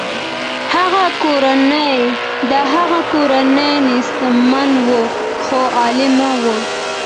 د هغه کورنۍ نیستمنه وه خو علمي وه